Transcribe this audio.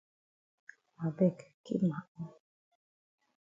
I beg keep ma own.